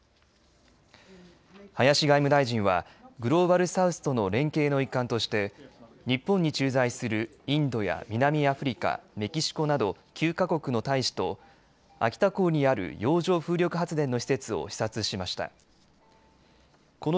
林外務大臣はグローバル・サウスとの連携の一環として日本に駐在するインドや南アフリカメキシコなど９か国の大使と秋田港にある洋上風力発電の施設を視察しました。